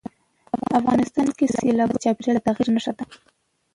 افغانستان کې سیلابونه د چاپېریال د تغیر نښه ده.